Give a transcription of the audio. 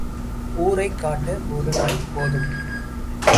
ஊரைக் காட்ட ஒரு நாய் போதும்.